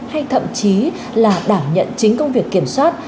hay thậm chí là đảm nhận chính công việc kiểm soát